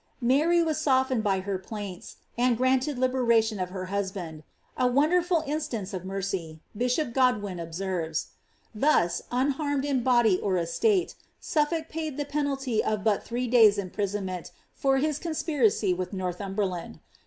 "' Mary wu eofi^ned by her plaints, and granted the liberation of her husband —•* a wonderful iiisEance of niercy," bishop Godwin observes, Thus, ur harmed in body or estate, SuSolk paid the penalty of but three days' imprisonment for his conspiracy with Northumberland.